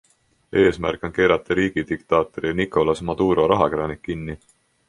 Eesmärk on keerata riigi diktaatori Nicolas Maduro rahakraanid kinni.